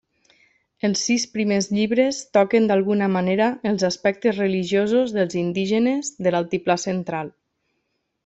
Els sis primers llibres toquen d'alguna manera els aspectes religiosos dels indígenes de l'altiplà central.